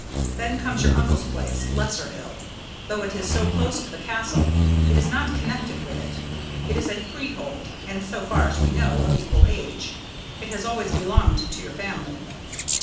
Then comes your uncle's place Lesser Hill. Though it is so close to the Castle, it is not connected with it. It is a freehold, and, so far as we know, of equal age. It has always belonged to your family."